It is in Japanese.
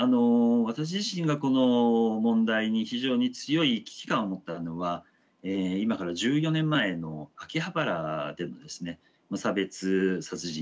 私自身がこの問題に非常に強い危機感を持ったのは今から１４年前の秋葉原での無差別殺人事件というものでした。